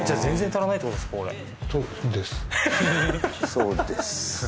そうです